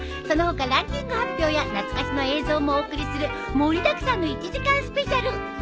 その他ランキング発表や懐かしの映像もお送りする盛りだくさんの１時間スペシャル。